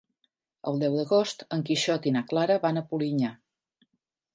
El deu d'agost en Quixot i na Clara van a Polinyà.